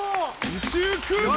宇宙空間？